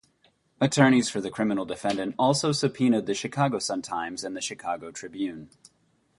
Attorneys for the criminal defendant also subpoenaed the Chicago Sun-Times and the Chicago Tribune.